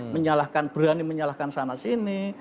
menyalahkan berani menyalahkan sana sini